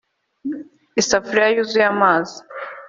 isafuriya yuzuye amazi,